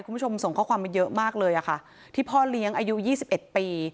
คุณผู้ชมส่งข้อความมาเยอะมากเลยอะค่ะที่พ่อเลี้ยงอายุ๒๑ปี